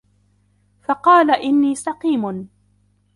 فَقالَ إِنّي سَقيمٌ